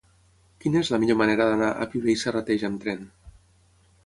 Quina és la millor manera d'anar a Viver i Serrateix amb tren?